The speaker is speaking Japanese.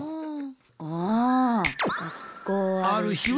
あ学校ある日は。